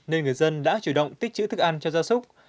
nên người dân đã chủ động tích chữ thức ăn cho gia súc